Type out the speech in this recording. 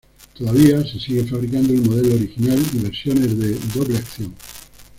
Todavía se sigue fabricando el modelo original y versiones de "doble acción".